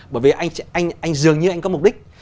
bởi vì anh dường như anh có mục đích